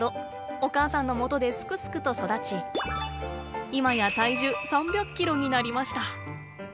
お母さんのもとですくすくと育ち今や体重３００ｋｇになりました。